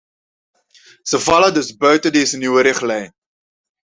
Zij vallen dus buiten deze nieuwe richtlijn.